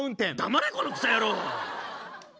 黙れこのクソ野郎！